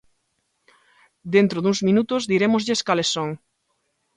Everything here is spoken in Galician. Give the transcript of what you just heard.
Dentro duns minutos dirémoslles cales son.